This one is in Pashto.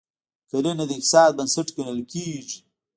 کرنه د اقتصاد بنسټ ګڼل کیږي.